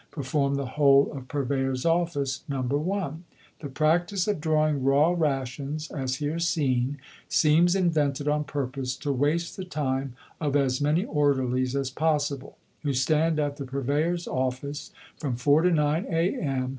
perform the whole of Purveyor's office, No. 1? The practice of drawing raw rations, as here seen, seems invented on purpose to waste the time of as many Orderlies as possible, who stand at the Purveyor's office from 4 to 9 A.M.